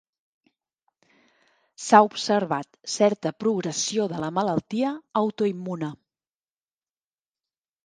S'ha observat certa progressió de la malaltia autoimmune